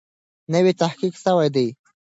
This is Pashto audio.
نوی تحقیق سوی دی.